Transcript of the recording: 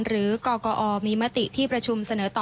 กกอมีมติที่ประชุมเสนอต่อ